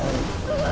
うわ！